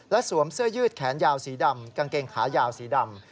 สวมเสื้อยืดแขนยาวสีดำกางเกงขายาวสีดำ